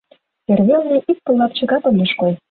Эрвелне ик пыл лапчыкат огеш кой.